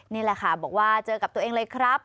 นี่แหละค่ะบอกว่าเจอกับตัวเองเลยครับ